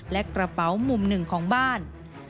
และกระเป๋ามุมหนึ่งของบ้าน